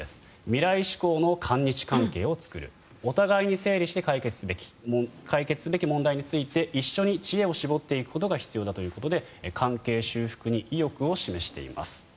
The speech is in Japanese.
未来志向の韓日関係を作るお互いに整理して解決すべき問題について一緒に知恵を絞っていくことが必要だということで関係修復に意欲を示しています。